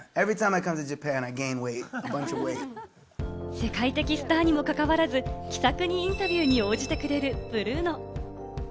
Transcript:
世界的スターにも関わらず気さくにインタビューに応じてくれるブルーノ。